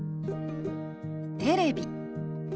「テレビ」。